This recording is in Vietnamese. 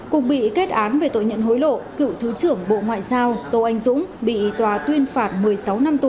cục bị kết án về tội nhận hối lộ cựu thứ trưởng bộ ngoại giao tô anh dũng bị tòa tuyên phạt một mươi sáu năm tù